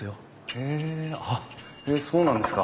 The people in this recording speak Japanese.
へえあっそうなんですか。